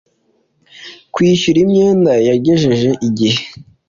kwishyura imyenda yagejeje igihe